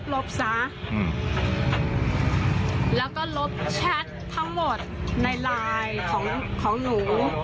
แล้วก็ลบแชททั้งหมดในไลน์ของของหนู